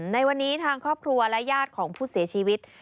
ในวันนี้ทางครอบครัวและญาติของผู้เสียชีวิต